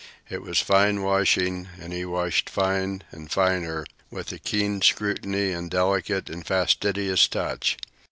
It was fine washing, and he washed fine and finer, with a keen scrutiny and delicate and fastidious touch.